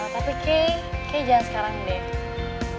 tapi kay kay jangan sekarang deh